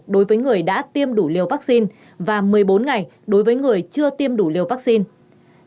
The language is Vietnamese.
đối với người đã tiêm đủ liều vaccine và một mươi bốn ngày đối với người chưa tiêm đủ liều vaccine